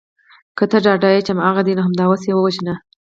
که ته ډاډه یې چې هماغه دی نو همدا اوس یې ووژنه